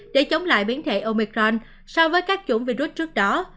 để chống lại biến thể omicron so với các chủng virus trước đó